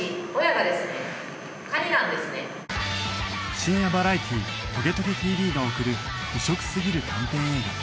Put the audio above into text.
深夜バラエティー『トゲトゲ ＴＶ』が送る異色すぎる短編映画